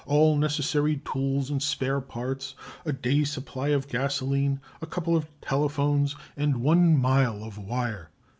all necessary tools and spare parts, a day's supply of gasolene, a couple of telephones, and one mile of wire.